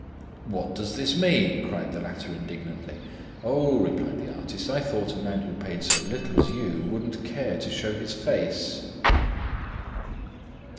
"What does this mean?" cried the latter, indignantly. "Oh," replied the artist, "I thought a man who paid so little as you wouldn't care to show his face!"